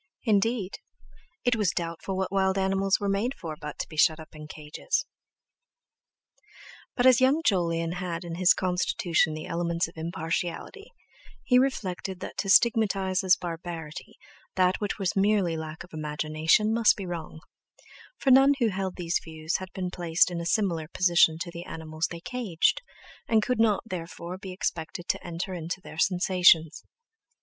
Indeed, it was doubtful what wild animals were made for but to be shut up in cages! But as young Jolyon had in his constitution the elements of impartiality, he reflected that to stigmatize as barbarity that which was merely lack of imagination must be wrong; for none who held these views had been placed in a similar position to the animals they caged, and could not, therefore, be expected to enter into their sensations.